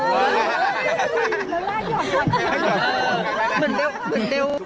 ลองมั้ยลอง